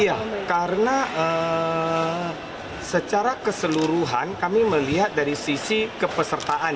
iya karena secara keseluruhan kami melihat dari sisi kepesertaan